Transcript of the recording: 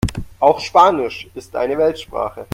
Auch Spanisch ist eine Weltsprache.